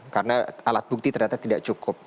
karena alat bukti ternyata tidak cukup